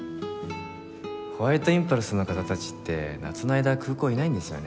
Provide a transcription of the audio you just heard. ホワイトインパルスの方たちって夏の間は空港いないんですよね。